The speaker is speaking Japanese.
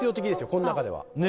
この中では。